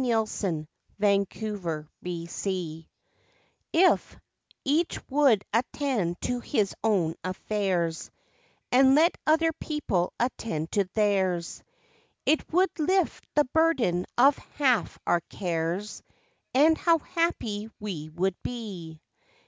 LIFE WAVES 61 WHY NOT "If" each would attend to his own affairs, And let other people attend to theirs, It would lift the burden of half our cares, And how happy we would be.